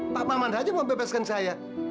pak maman saja mau bebeskan saya